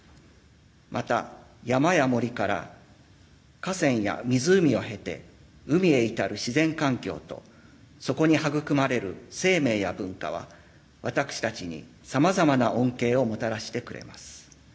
また、山や森から河川や湖を経て海へ至る自然環境とそこに育まれる生命や文化は私たちに様々な恩恵をもたらしてくれます。